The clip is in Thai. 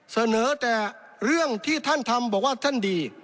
เสนอแต่เรื่องที่ท่านทำบอกว่าท่านดี